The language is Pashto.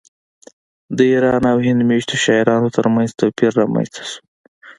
د ایران او هند میشتو شاعرانو ترمنځ توپیر رامنځته شو